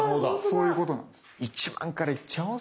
そういうことなんです。